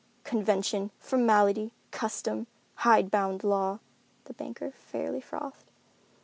"Convention, formality, custom, hide bound law!" the banker fairly frothed.